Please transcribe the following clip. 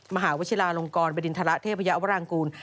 มหาวชิลาลงกรบริณฑระเทพยาวรางกูล